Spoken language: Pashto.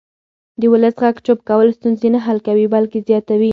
د ولس غږ چوپ کول ستونزې نه حل کوي بلکې زیاتوي